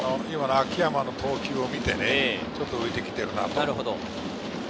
秋山への投球を見て、ちょっと浮いてきているなと。